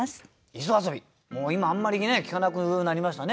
もう今あんまりね聞かなくなりましたね